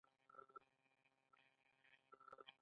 جومات د چا کور دی؟